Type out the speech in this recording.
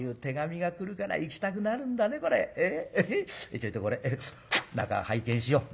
ちょいとこれ中拝見しよう。